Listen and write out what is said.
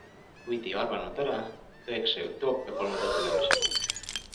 Kuid ei arvanud ära, tõeks sai utoopia kolmanda tulemise mudel.